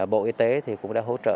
bộ y tế thì cũng đã hỗ trợ